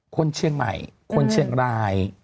คนเชียงใหม่คนเชียงราย